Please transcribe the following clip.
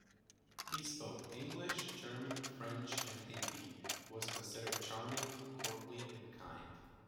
He spoke English, German, French and Hindi, was considered charming, courtly and kind.